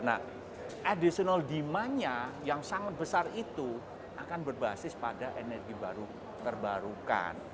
nah additional demandnya yang sangat besar itu akan berbasis pada energi baru terbarukan